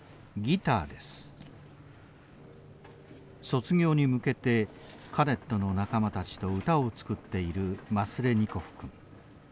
卒業に向けてカデットの仲間たちと歌を作っているマスレニコフ君。